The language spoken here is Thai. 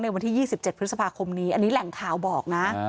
วันที่๒๗พฤษภาคมนี้อันนี้แหล่งข่าวบอกนะ